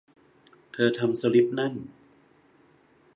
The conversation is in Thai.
เธอทำสลิปนั่น